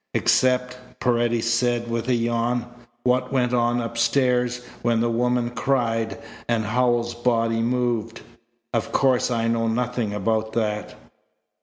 "Except," Paredes said with a yawn, "what went on upstairs when the woman cried and Howells's body moved. Of course I know nothing about that."